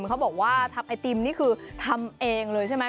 เขาบอกว่าทำไอติมนี่คือทำเองเลยใช่ไหม